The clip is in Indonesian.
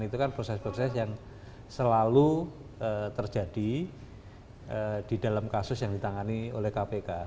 itu kan proses proses yang selalu terjadi di dalam kasus yang ditangani oleh kpk